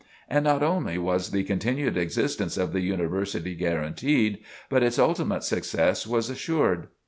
And not only was the continued existence of the University guaranteed, but its ultimate success was assured.